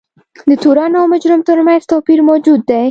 د تورن او مجرم ترمنځ توپیر موجود دی.